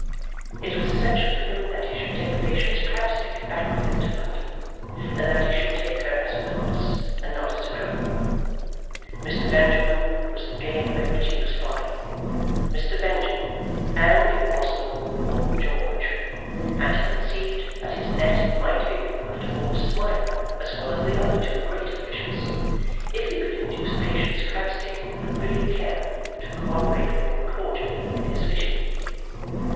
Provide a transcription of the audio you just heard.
It was essential to him that he should take Patience Crabstick back with him to London, and that he should take her as a witness and not as a criminal. Mr. Benjamin was the game at which he was flying, Mr. Benjamin, and, if possible, Lord George; and he conceived that his net might be big enough to hold Smiler as well as the other two greater fishes, if he could induce Patience Crabstick and Billy Cann to co operate with him cordially in his fishing.